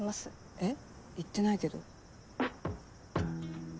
えっ言ってないけど。